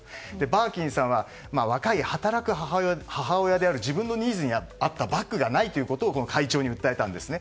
バーキンさんは若い働く母親である自分のニーズに合ったバッグがないことを会長に訴えたんですね。